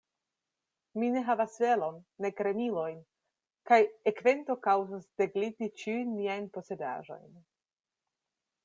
Mi ne havas velon, nek remilojn; kaj ekvento kaŭzos degliti ĉiun mian posedaĵon.